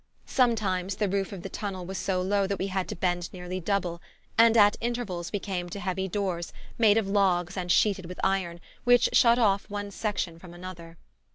Sometimes the roof of the tunnel was so low that we had to bend nearly double; and at intervals we came to heavy doors, made of logs and sheeted with iron, which shut off one section from another.